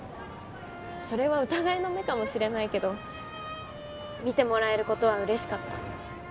それは疑いの目かもしれないけど見てもらえることはうれしかった。